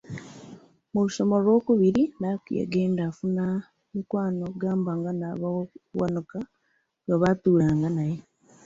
Mu lusoma olw’okubiri Nnakku yagenda afuna emikwano gamba nga Nabawanuka gwe baatuulanga naye